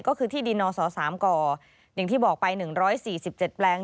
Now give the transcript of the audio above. ก็คือที่ดินนศ๓กอย่างที่บอกไป๑๔๗แปลง